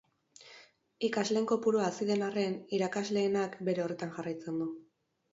Ikasleen kopurua hazi den arren, irakasleenak bere horretan jarraiten du.